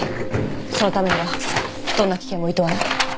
そのためにはどんな危険もいとわない。